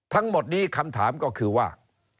ทั้งหมดนี้คำถามก็คือว่า